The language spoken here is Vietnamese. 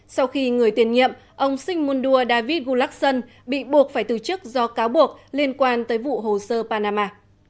sau khi người tiền nhiệm ông simundua david gulacson bị buộc phải từ chức do cáo buộc liên quan tới vụ hồ sơ panama